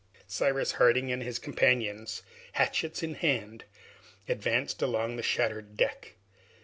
Cyrus Harding and his companions, hatchets in hand, advanced along the shattered deck.